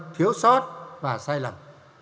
thiếu sót và sai lầm